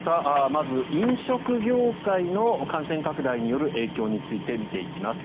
まず、飲食業界の感染拡大による影響について見ていきます。